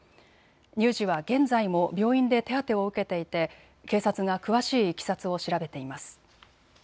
乳児は現在も病院で手当てを受けていて、警察が詳しいいきさつを調べています。